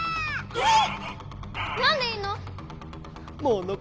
えっ。